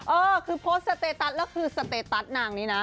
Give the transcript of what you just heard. เออคือโพสต์สเตตัสแล้วคือสเตตัสนางนี้นะ